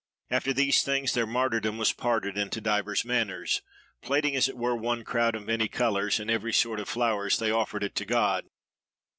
"After these things their martyrdom was parted into divers manners. Plaiting as it were one crown of many colours and every sort of flowers, they offered it to God.